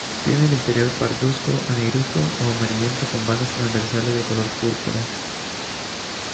Tiene el interior pardusco a negruzco o amarillento con bandas transversales de color púrpura.